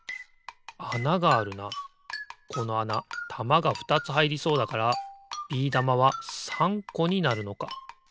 このあなたまがふたつはいりそうだからビー玉は３こになるのか。